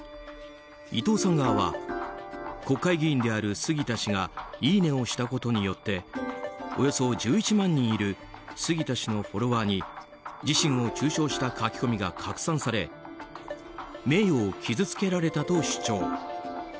伊藤さん側は国会議員である杉田氏がいいねをしたことによっておよそ１１万人いる杉田氏のフォロワーに自身を中傷した書き込みが拡散され名誉を傷つけられたと主張。